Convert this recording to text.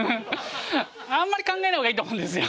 あんまり考えない方がいいと思うんですよ。